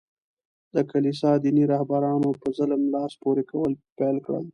د کلیسا دیني رهبرانو په ظلم لاس پوري کول پېل کړل.